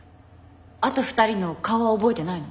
あと２人の顔は覚えてないの？